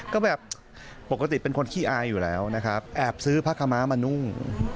ก็แบบปกติเป็นคนขี้อายอยู่แล้วนะครับแอบซื้อผ้าขม้ามานุ่ง